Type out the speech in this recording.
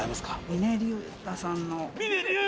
峰竜太さんの！